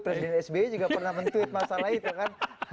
presiden sbi juga pernah men tweet masalah itu kan